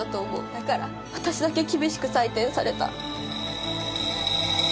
だから私だけ厳しく採点された。